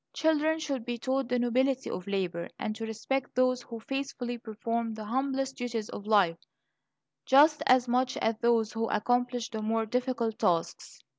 Children should be taught the nobility of labor, and to respect those who faithfully perform the humblest duties of life, just as much as those who accomplish the more difficult tasks.